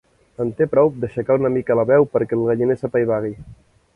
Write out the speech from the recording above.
En té prou d'aixecar una mica la veu perquè el galliner s'apaivagui.